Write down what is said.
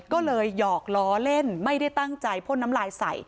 ก็เลยหยอกล้อเล่นไม่ได้ตั้งใจพ่นน้ำลายใส่